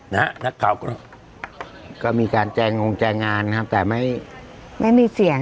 นักข่าวก็มีการแจงงแจงงานนะครับแต่ไม่ไม่มีเสียง